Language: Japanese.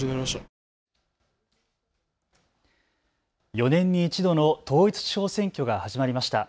４年に一度の統一地方選挙が始まりました。